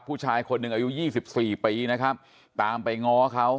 ผู้ชายคนหนึ่งอายุยี่สิบสี่ปีนะครับตามไปง้อเขา